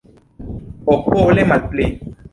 Okoble malpli.